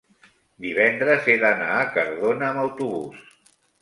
divendres he d'anar a Cardona amb autobús.